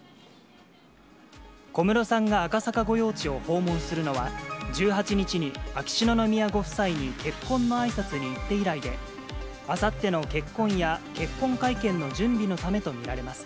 小室さんが赤坂御用地を訪問するのは１８日に、秋篠宮ご夫妻に結婚のあいさつに行って以来で、あさっての結婚や、結婚会見の準備のためと見られます。